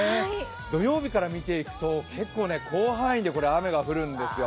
土曜日から見ていくと、結構、広範囲で雨が降るんですよ。